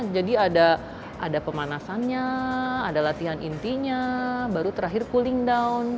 jadi ada pemanasannya ada latihan intinya baru terakhir cooling down